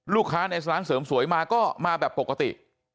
ลูกค้าในร้านเสริมสวยมาก็มาแบบปกติ